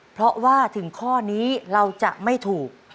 เพราะว่าถึงข้อนี้เราจะไม่ถูก